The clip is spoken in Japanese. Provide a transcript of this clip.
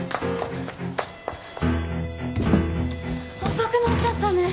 遅くなっちゃったね。